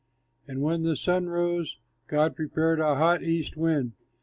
And when the sun rose, God prepared a hot east wind.